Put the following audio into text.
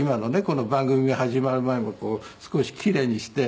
この番組が始まる前も少し奇麗にして。